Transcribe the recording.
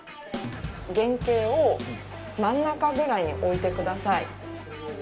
原型を真ん中ぐらいに置いてください。